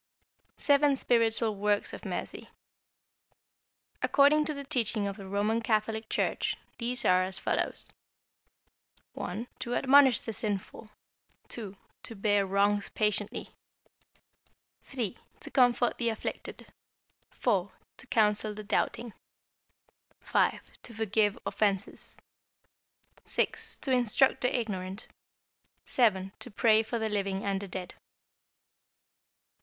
=Seven Spiritual Works of Mercy.= According to the teaching of the Roman Catholic Church, these are as follows: (1) To admonish the sinful, (2) to bear wrongs patiently, (3) to comfort the afflicted, (4) to counsel the doubting, (5) to forgive offenses, (6) to instruct the ignorant, (7) to pray for the living and the dead.